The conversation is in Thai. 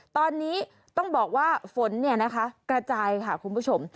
ตอนนี้ต้องบอกว่าฝนกระจายค่ะคุณผู้ชม